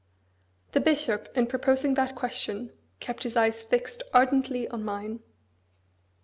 The bishop, in proposing that question, kept his eyes fixed ardently on mine.